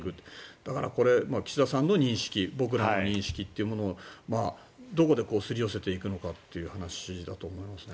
だからこれ、岸田さんの認識と僕らの認識というものをどこですり寄せていくのかという話だと思いますね。